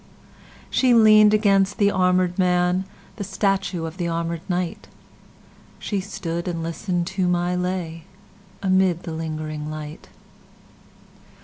She lean'd against the armèd man, The statue of the armèd knight; She stood and listen'd to my lay, Amid the lingering light.